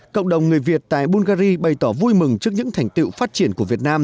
cộng đồng người việt tại bungary bày tỏ vui mừng trước những thành tiệu phát triển của việt nam